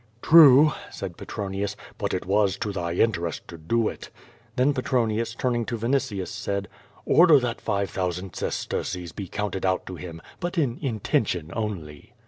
"True," said I^etronius, "but it was to thy interest to do it." Then Petronius turning to Vinitius, said: "Order that five thousand sesterces be counted out to him, but in intention only."